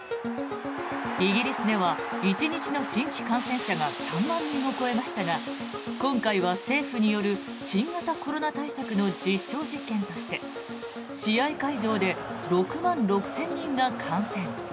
イギリスでは１日の新規感染者が３万人を超えましたが今回は政府による新型コロナ対策の実証実験として試合会場で６万６０００人が観戦。